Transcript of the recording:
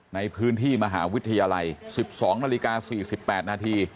ในพื้นที่มหาวิทยาลัย๑๒นาฬิกา๔๘นาที